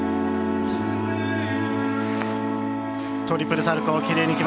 トリプルサルコー。